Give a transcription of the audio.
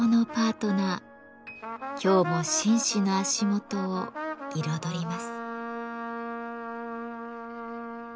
今日も紳士の足元を彩ります。